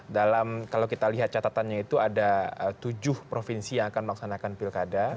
dalam kalau kita lihat catatannya itu ada tujuh provinsi yang akan melaksanakan pilkada